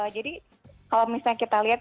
jadi kalau misalnya kita lihat itu